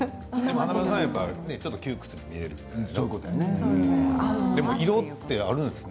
華丸さんはちょっと窮屈に見えるんですよね。